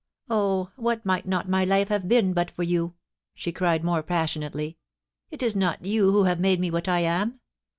.. Oh, what might not my life have been but for you ? she cried, more passionately. ' Is it not you who have made me what I am